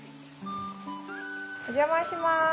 お邪魔します。